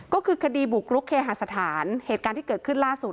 ก็คือคดีบุกรุกเคหาสถานเหตุการณ์ที่เกิดขึ้นล่าสุด